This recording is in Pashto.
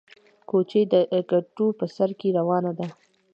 کوچۍ د کډو په سر کې روانه ده